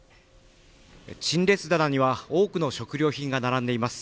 陳列棚には多くの食料品が並んでいます。